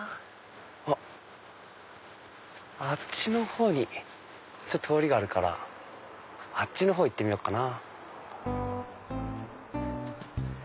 あっあっちのほうにちょっと通りがあるからあっちのほう行ってみよっかな。